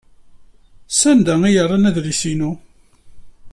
Sanda ay rran adlis-inu?